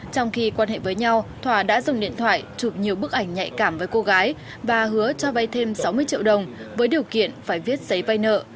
trong khi quan hệ với nhau thỏa đã dùng điện thoại chụp nhiều bức ảnh nhạy cảm với cô gái và hứa cho vay thêm sáu mươi triệu đồng với điều kiện phải viết giấy vay nợ